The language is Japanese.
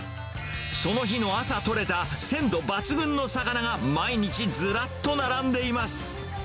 その日の朝取れた鮮度抜群の魚が、毎日ずらっと並んでいます。